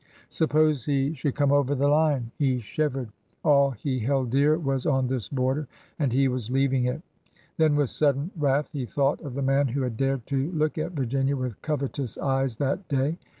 Suppose he should come over the line. He shivered. All he held dear was on this border, and he was leaving it. Then with sudden wrath he thought of the man who had dared to look at Virginia with covetous eyes that day.